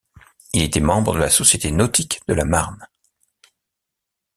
Il était membre de la Société Nautique de la Marne.